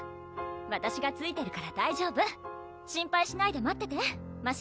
わたしがついてるから大丈夫心配しないで待っててまし